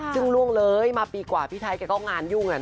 ซึ่งล่วงเลยมาปีกว่าพี่ไทยแกก็งานยุ่ง